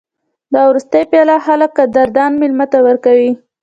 دا وروستۍ پیاله خلک قدردان مېلمه ته ورکوي.